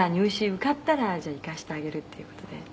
受かったら行かせてあげるっていう事で」